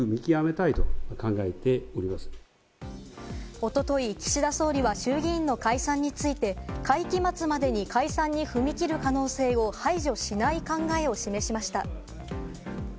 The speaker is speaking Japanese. おととい岸田総理は衆議院の解散について、会期末までに解散に踏み切る可能性を排除しない考えを示しました。